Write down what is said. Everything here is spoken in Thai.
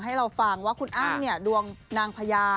ให้เราฟังว่าคุณอ้ำเนี่ยดวงนางพญา